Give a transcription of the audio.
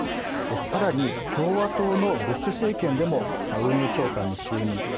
さらに共和党のブッシュ政権でも運輸長官に就任。